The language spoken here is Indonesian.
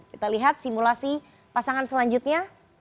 kita lihat simulasi pasangan selanjutnya